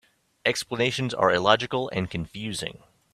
Explanations are illogical and confusing.